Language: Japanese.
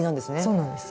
そうなんです。